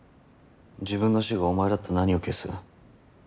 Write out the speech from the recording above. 自分の死後お前だったら何を消す？